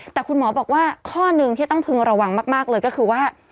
แต่คุณหมอบอกว่าข้อหนึ่งที่ต้องพึงระวังมากเลยก็คือว่า